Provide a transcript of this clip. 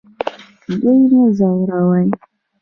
دوی مه ځوروئ